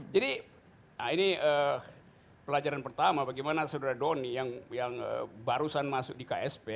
jadi ini pelajaran pertama bagaimana saudara doni yang barusan masuk di ksp